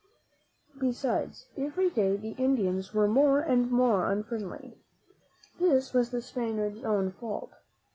Besides, every day the Indians were more and more unfriendly. This was the Spaniards' own fault.